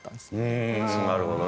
うんなるほどね。